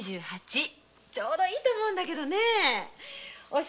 ちょうどいいと思うんだけどねぇ。